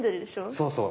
そうそう。